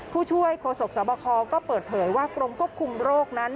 ผู้ช่วยโฆษกสบคก็เปิดเผยว่ากรมควบคุมโรคนั้น